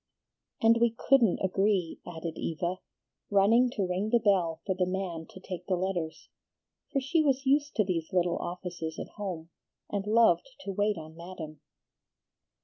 "And we couldn't agree," added Eva, running to ring the bell for the man to take the letters, for she was used to these little offices at home, and loved to wait on Madam.